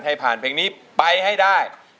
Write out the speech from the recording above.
ให้ผ่านเพลงนี้ไปให้ได้